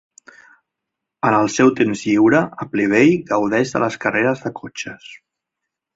En el seu temps lliure, Appleby gaudeix de les carreres de cotxes.